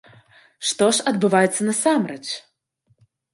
Што ж адбываецца насамрэч?